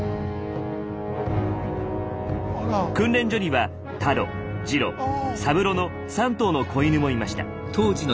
訓練所にはタロジロサブロの３頭の子犬もいました。